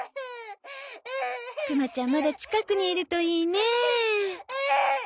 クマちゃんまだ近くにいるといいねえ。